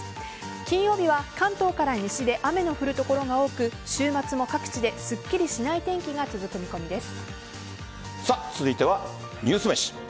金曜日は関東から西で雨の降る所が多く週末も各地ですっきりしない天気が続いてはニュースめし。